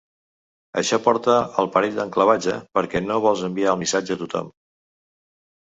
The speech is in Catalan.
Això porta al perill d’enclavatge, perquè no vols enviar el missatge a tothom.